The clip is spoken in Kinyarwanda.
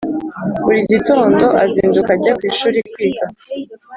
burigitonndo azinduka ajya kwishuri kwiga